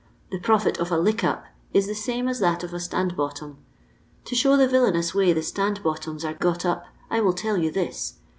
The profit of a ' lick op ' is the same as that of a ' stand bottom.' To ikow the villanous way the ' itand bottoma ' are got up, I will tell you this.